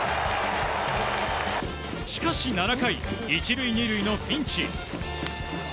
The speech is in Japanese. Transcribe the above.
しかし７回、１塁２塁のピンチ。